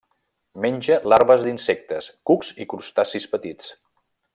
Menja larves d'insectes, cucs i crustacis petits.